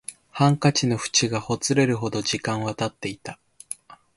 ハンカチの縁がほつれるほど時間は経っていた